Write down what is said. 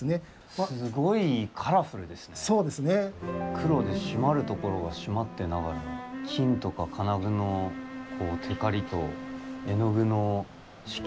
黒で締まるところが締まってながら金とか金具のテカリと絵の具の色彩と。